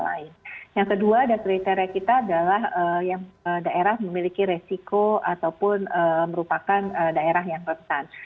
yang kedua dan kriteria kita adalah yang daerah memiliki resiko ataupun merupakan daerah yang rentan